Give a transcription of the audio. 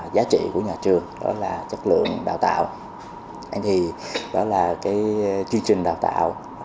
đó là giá trị của nhà trường đó là chất lượng đào tạo đó là cái chương trình đào tạo